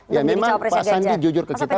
ya memang pak sandi jujur ke situ